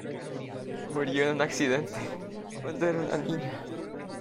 Murió en un accidente cuando era una niña.